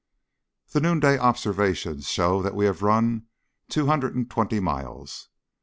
The noonday observation shows that we have run two hundred and twenty miles.